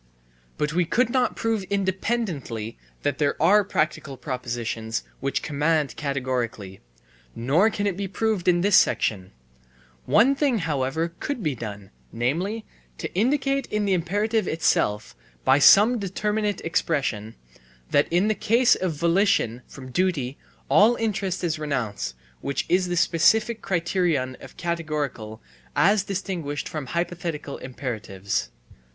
But we could not prove independently that there are practical propositions which command categorically, nor can it be proved in this section; one thing, however, could be done, namely, to indicate in the imperative itself, by some determinate expression, that in the case of volition from duty all interest is renounced, which is the specific criterion of categorical as distinguished from hypothetical imperatives.